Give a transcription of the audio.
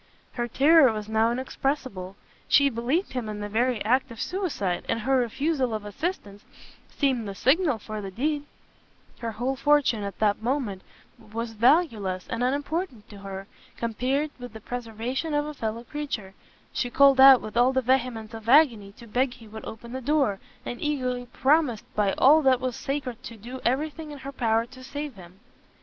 Her terror was now inexpressible; she believed him in the very act of suicide, and her refusal of assistance seemed the signal for the deed: her whole fortune, at that moment, was valueless and unimportant to her, compared with the preservation of a fellow creature: she called out with all the vehemence of agony to beg he would open the door, and eagerly promised by all that was sacred to do everything in her power to save him.